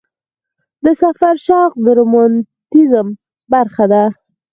د سفر شوق د رومانتیزم برخه ده.